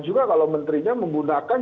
juga kalau menterinya menggunakan